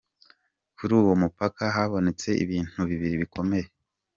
Kuri uwo mupaka habonetse ibintu bibiri bikomeye.